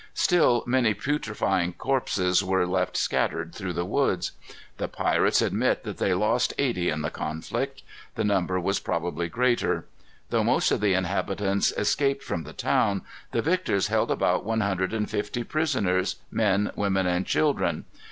Still many putrefying corpses were left scattered through the woods. The pirates admit that they lost eighty in the conflict. The number was probably greater. Though most of the inhabitants escaped from the town, the victors held about one hundred and fifty prisoners, men, women, and children.